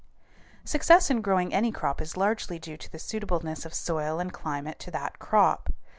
Success in growing any crop is largely due to the suitableness of soil and climate to that crop.